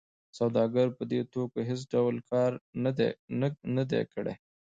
سوداګر په دې توکو هېڅ ډول کار نه دی کړی